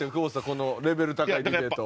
このレベル高いディベート。